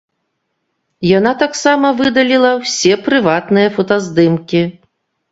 Яна таксама выдаліла ўсе прыватныя фотаздымкі.